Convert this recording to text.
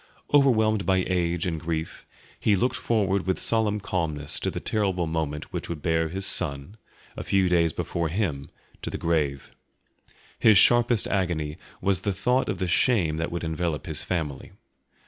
Overwhelmed by age and grief, he looked forward with solemn calmness to the terrible moment which would bear his son, a few days before him, to the grave. His sharpest agony was the thought of the shame that would envelop his family.